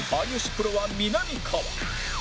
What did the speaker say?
プロはみなみかわ